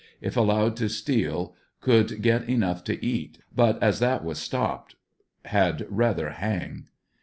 If allowed to steal could get enough to eat, but as that was stopped had rather hang.